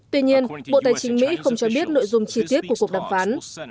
tuy nhiên bộ tài chính mỹ không cho biết nội dung chi tiết của cuộc đàm phán